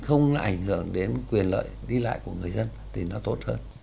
không là ảnh hưởng đến quyền lợi đi lại của người dân thì nó tốt hơn